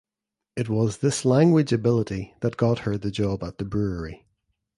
It was this language ability that got her the job at the brewery.